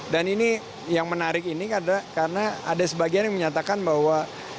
dan ini yang menarik ini karena ada sebagian yang menyatakan bahwa